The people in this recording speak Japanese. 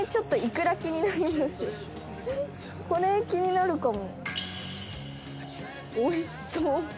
これ気になるかも。